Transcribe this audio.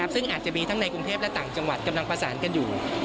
ซึ่งอาจจะมีทั้งในกรุงเทพและต่างจังหวัดกำลังประสานกันอยู่